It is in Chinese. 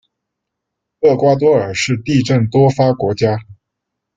厄瓜多尔是地震多发国家。